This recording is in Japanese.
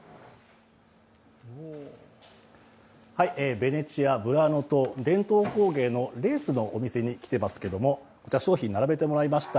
ベネチア・ブラーノ島伝統工芸のレースのお店に来ていますけど商品を並べてもらいました。